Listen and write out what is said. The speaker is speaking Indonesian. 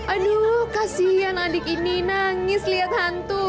aduh kasian adik ini nangis lihat hantu